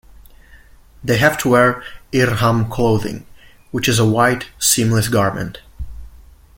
They have to wear Ihram clothing, which is a white, seamless garment.